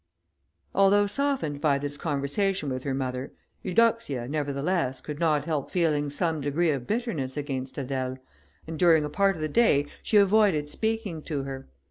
Although softened by this conversation with her mother, Eudoxia, nevertheless, could not help feeling some degree of bitterness against Adèle, and during a part of the day she avoided speaking to her.